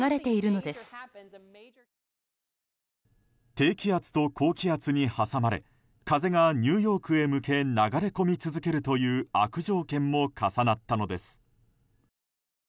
低気圧と高気圧に挟まれ風がニューヨークへ向け流れ込み続けるという悪条件も重なったのです。